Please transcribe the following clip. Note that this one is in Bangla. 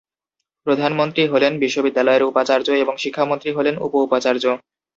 প্রধানমন্ত্রী হলেন বিশ্ববিদ্যালয়ের উপাচার্য এবং শিক্ষামন্ত্রী হলেন উপ-উপাচার্য।